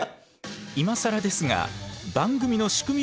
今更ですが番組の仕組みをご紹介。